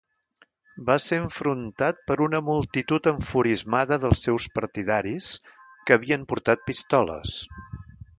Va ser enfrontat per una multitud enfurismada dels seus partidaris, que havien portat pistoles.